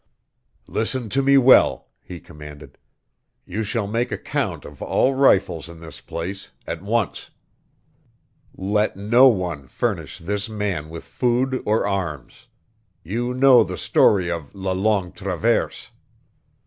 "Listen to me well," he commanded. "You shall make a count of all rifles in this place at once. Let no one furnish this man with food or arms. You know the story of la Longue Traverse.